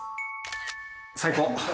最高！